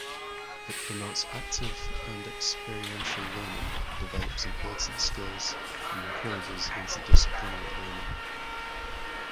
It promotes active and experiential learning, develops important skills, and encourages interdisciplinary learning.